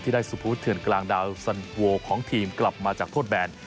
ได้สุพุทธเถื่อนกลางดาวสันโวของทีมกลับมาจากโทษแบน